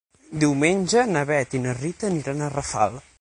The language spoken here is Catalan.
Diumenge na Bet i na Rita aniran a Rafal.